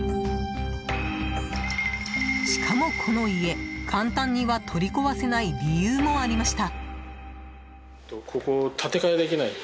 しかもこの家、簡単には取り壊せない理由もありました。